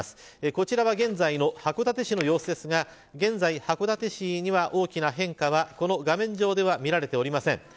こちらは現在の函館市の様子ですが、現在、函館市には大きな変化は、この画面上では見られておりません。